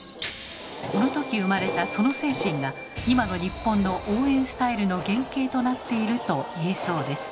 この時生まれたその精神が今の日本の応援スタイルの原形となっていると言えそうです。